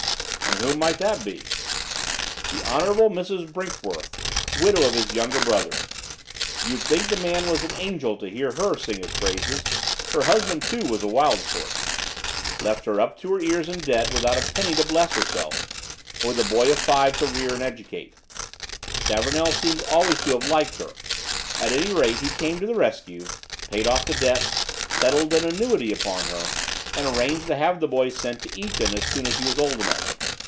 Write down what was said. "And who might that be?" "The Hon. Mrs. Brinkworth, widow of his younger brother. You'd think the man was an angel to hear her sing his praises. Her husband, too, was a wild sort. Left her up to her ears in debt, without a penny to bless herself, and with a boy of five to rear and educate. Stavornell seems always to have liked her. At any rate, he came to the rescue, paid off the debts, settled an annuity upon her, and arranged to have the boy sent to Eton as soon as he was old enough.